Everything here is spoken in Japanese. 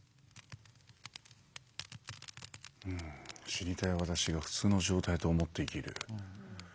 死にたい私が普通の状態と思って生きる。